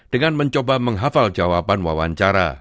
dengan mencoba menghafal jawaban wawancara